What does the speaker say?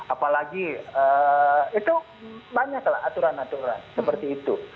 apalagi itu banyaklah aturan aturan seperti itu